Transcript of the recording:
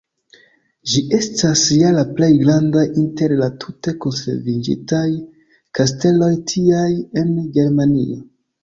Ĝi estas ja la plej grandaj inter la tute konserviĝintaj kasteloj tiaj en Germanio.